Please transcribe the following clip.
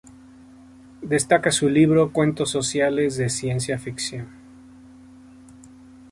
Destaca su libro "Cuentos sociales de ciencia ficción".